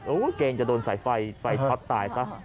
โอโหเกรงจะโดนใส่ไฟไฟร้อนตายสัก